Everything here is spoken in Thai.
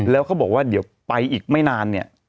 แล้วเขาบอกว่าเดี๋ยวไปอีกไม่นานเนี่ย